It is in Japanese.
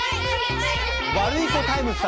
ワルイコタイムス様。